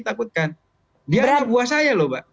takutkan dia nabuah saya pak